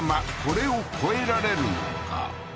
これを超えられるのか？